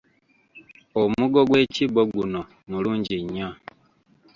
Omugo gw’ekibbo guno mulungi nnyo.